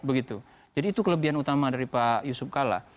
begitu jadi itu kelebihan utama dari pak yusuf kalla